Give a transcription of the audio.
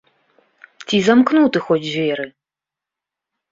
Ці замкнуты хоць дзверы?